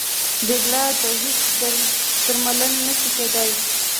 جګړه د هېڅ درد درمل نه شي کېدی